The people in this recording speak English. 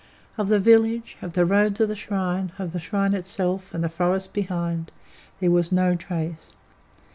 Of the village, of the road to the shrine, of the shrine itself, and the forest behind, there was no trace.